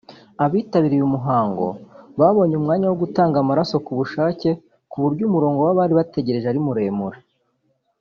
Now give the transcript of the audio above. Abitabiriye uyu muhango babonye umwanya wo gutanga amaraso ku bushake ku buryo umurongo w’abari bategereje ari muremure